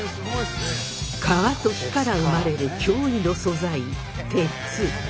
川と火から生まれる驚異の素材鉄。